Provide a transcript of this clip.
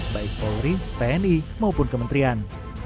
baik polri tni maupun kementerian